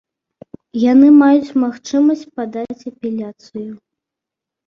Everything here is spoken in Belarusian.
Яны маюць магчымасць падаць апеляцыю.